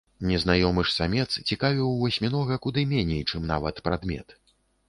Незнаёмы ж самец цікавіў васьмінога куды меней, чым нават прадмет.